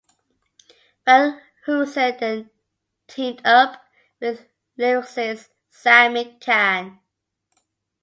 Van Heusen then teamed up with lyricist Sammy Cahn.